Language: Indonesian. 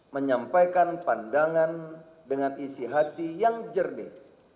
menyampaikan pandangan dengan isi hati yang jernih